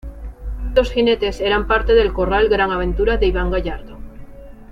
Estos jinetes eran parte del corral Gran Aventura de Iván Gallardo.